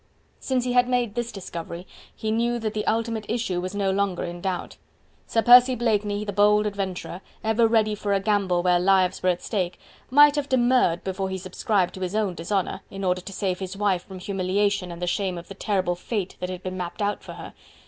Since he had made this discovery he knew that the ultimate issue was no longer in doubt. Sir Percy Blakeney, the bold adventurer, ever ready for a gamble where lives were at stake, might have demurred before he subscribed to his own dishonour, in order to save his wife from humiliation and the shame of the terrible fate that had been mapped out for her.